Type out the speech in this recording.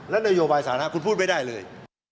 และนโยบายสารคุณพูดไปได้เลย